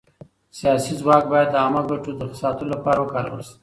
سياسي ځواک بايد د عامه ګټو د ساتلو لپاره وکارول سي.